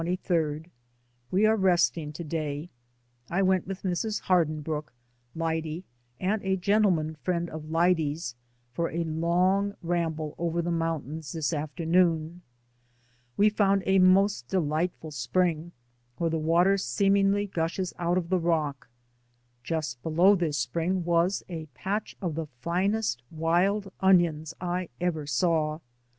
We are resting to day. I went with Mrs. Hardinbrooke, Lyde and a gentleman friend of Lyde's, for a long ramble over the moun tains this afternoon. We found a most de lightful spring where the water seemingly gushes out of the rock. Just below this spring was a patch of the finest wild onions I ever saw.